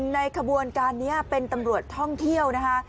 ในขบวนการนี้เป็นตำรวจท่องเที่ยวนะคะ